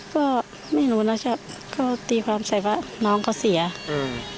ก็ไม่รู้นะครับก็ตีความใส่ว่าน้องเขาเสียอืม